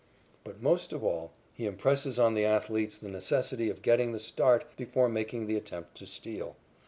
But most of all he impresses on the athletes the necessity of getting the start before making the attempt to steal.